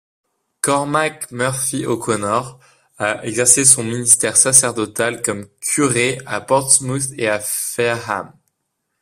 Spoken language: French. Cormac Murphy-O'Connor a exercé son ministère sacerdotal comme curé à Portsmouth et à Fareham.